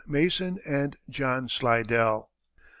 Mason and John Slidell."